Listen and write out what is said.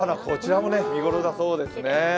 菜の花、こちらも見頃だそうです。